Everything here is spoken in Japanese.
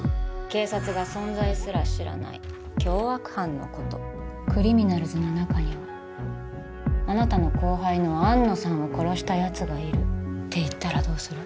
警察が存在すら知らない凶悪犯のことクリミナルズの中にはあなたの後輩の安野さんを殺したやつがいるって言ったらどうする？